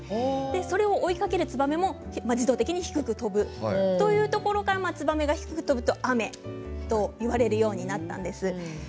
それを追いかけるツバメも自動的に低く飛ぶというところからツバメが低く飛ぶと雨と言われるようになったんです。